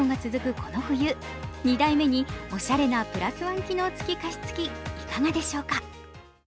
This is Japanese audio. この冬２台目におしゃれなプラス１機能付き加湿器、いかがでしょうか。